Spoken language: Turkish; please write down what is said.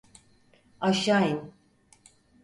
Aşağı in!